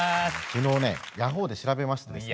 昨日ねヤホーで調べましてですね。